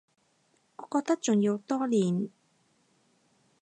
我覺得仲要多練